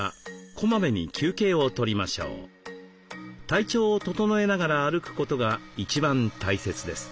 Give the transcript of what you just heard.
体調を整えながら歩くことが一番大切です。